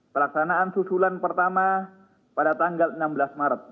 pelaksanaan susulan pertama pada tanggal enam belas maret